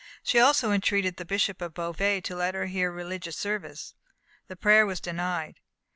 She also entreated the Bishop of Beauvais to let her hear religious service. The prayer was denied.